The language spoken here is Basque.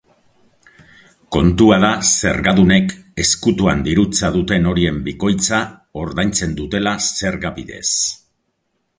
Kontua da zergadunek ezkutuan dirutza duten horien bikoitza ordaintzen dutela zerga bidez.